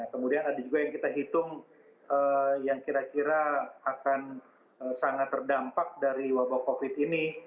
kemudian ada juga yang kita hitung yang kira kira akan sangat terdampak dari wabah covid ini